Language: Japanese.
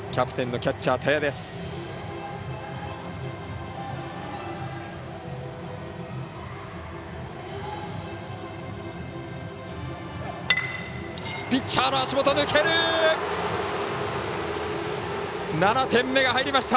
ピッチャーの足元抜けた！